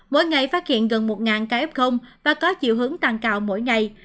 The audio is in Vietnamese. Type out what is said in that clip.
mỗi ngày phát hiện gần một ca f và có chiều hướng tăng cao mỗi ngày